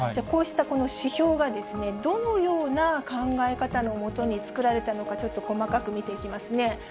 こうした指標がどのような考え方のもとに作られたのか、ちょっと細かく見ていきますね。